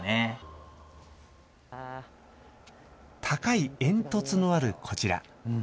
高い煙突のあるこちら。